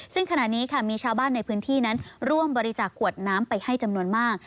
ซึ่งขณะนี้ค่ะมีชาวบ้านในพื้นที่นั้นร่วมบริจาคขวดน้ำไปให้จำนวนมาก